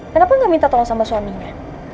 kenapa nggak minta tolong sama suaminya